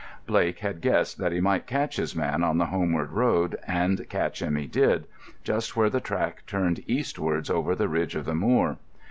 Blake had guessed that he might catch his man on the homeward road, and catch him he did, just where the track turned eastwards over the ridge of the moor.